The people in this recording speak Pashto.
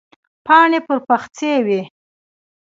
پاڼې پر پخڅې وې.